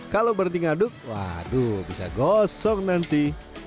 kalau berhenti mengaduk waduh bisa gosong nanti